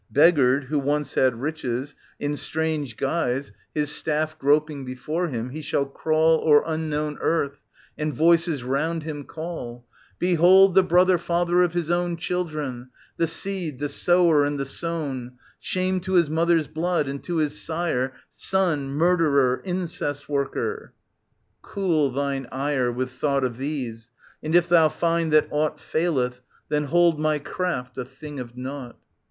Beggared, who once had riches, in strange guise, 26 I /v. 456 478 OEDIPUS, KING OF THEBES His staff groping before him, he shall crawl 0*cr unknown earth, and voices round him call : "Behold the brother father of his own . K,<V ''\ Children, the seed, the sower and the sown, \ Shame to his mother's blood, and to his sire Son, murderer, incest worker." Cool thine ire With thought of these, and if thou find that aught Faileth, then hold my craft a thing of naught.